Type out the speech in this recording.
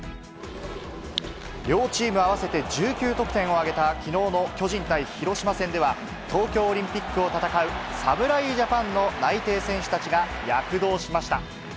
両チーム合わせて１９得点を挙げたきのうの巨人対広島戦では、東京オリンピックを戦う侍ジャパンの内定選手たちが躍動しました。